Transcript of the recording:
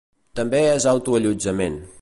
També és auto-allotjament.